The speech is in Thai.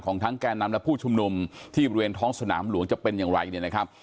ทั้งแก่นำและผู้ชุมนุมที่บริเวณท้องสนามหลวงจะเป็นอย่างไรเนี่ยนะครับ